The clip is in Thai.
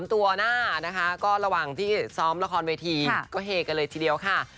ตัวหน้านะคะก็ระหว่างที่ซ้อมละครเวทีก็เฮกันเลยทีเดียวค่ะ